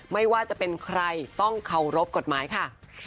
ไม่ว่าจะเป็นใครต้องเคารพกฎหมายค่ะ